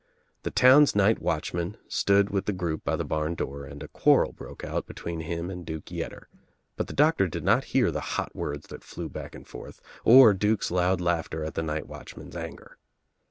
The town's night watchman stood with the group by the barn door and a quarrel broke out between him and Duke Yetter, but the doctor did not.hear the hot words that flew back and forth or Duke's loud laughter at the night watchman's anger.